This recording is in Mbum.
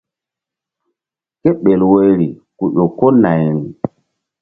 Kéɓel woyri ku ƴo ko nayri.